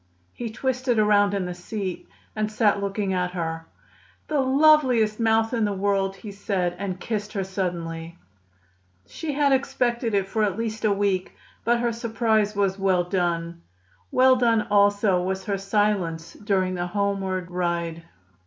He twisted himself around in the seat and sat looking at her. "The loveliest mouth in the world!" he said, and kissed her suddenly. She had expected it for at least a week, but her surprise was well done. Well done also was her silence during the homeward ride.